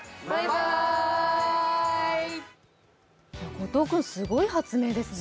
五島君すごい発明ですね。